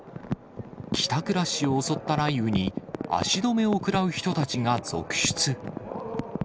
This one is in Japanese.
帰宅ラッシュを襲った雷雨に、足止めを食らう人たちが続出。